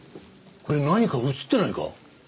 これ何か写ってないか？